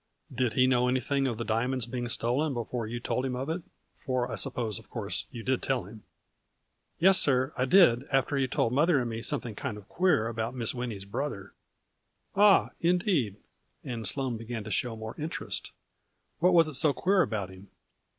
" Did he know anything of the diamonds being stolen before you told him of it, for I suppose, of course, you did tell him ?"" Yes, sir, I did after he told mother and me something kind of queer about Miss Winnie's brother." " Ah ! indeed," and Sloane began to show more interest. " What was it so queer about him?"